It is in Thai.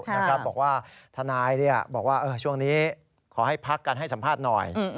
บอกว่าทนายบอกว่าช่วงนี้ขอให้พักกันให้สัมภาษณ์หน่อย